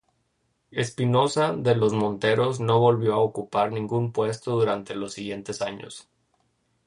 Espinosa de los Monteros no volvió a ocupar ningún puesto durante los siguientes años.